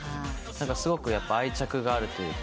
すごく愛着があるというか。